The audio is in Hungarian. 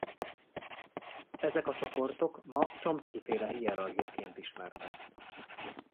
Ezek a csoportok ma Chomsky-féle hierarchiaként ismertek.